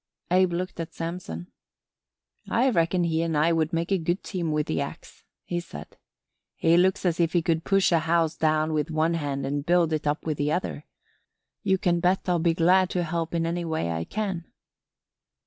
Abe looked at Samson. "I reckon he and I would make a good team with the ax," he said. "He looks as if he could push a house down with one hand and build it up with the other. You can bet I'll be glad to help in any way I can."